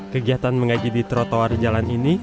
kegiatan mengaji di trotoar jalan ini